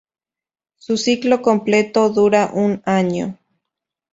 Su ciclo completo dura un año.